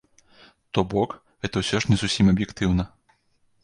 То бок, гэта ўсё ж не зусім аб'ектыўна.